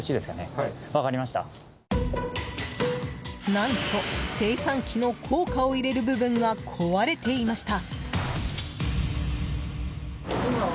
何と、精算機の硬貨を入れる部分が壊れていました。